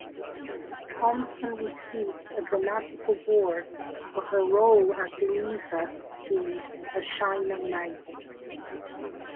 Thompson received a Dramatic Award for her role as Luisa in "A Shayna Maidel".